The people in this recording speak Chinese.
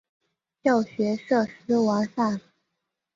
教学设施完善。